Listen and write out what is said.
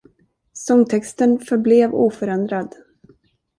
Sångtexten förblev oförändrad.